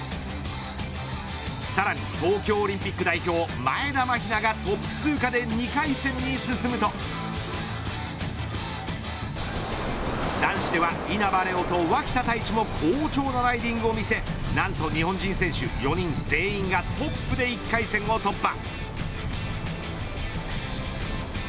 さらに東京オリンピック代表前田マヒナがトップ通過で２回戦に進むと男子では稲葉玲王と脇田泰地も好調なライディングを見せ何と日本人選手４人全員がトップで１回戦を突破。